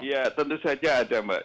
ya tentu saja ada mbak